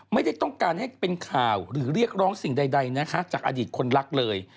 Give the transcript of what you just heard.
ไม่ได้ต้องการให้เป็นข่าวหรือเรียกร้องสิ่งใดนะคะจากอดีตคนรักเลย